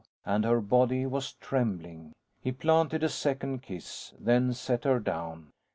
And her body was trembling. He planted a second kiss, then set her down.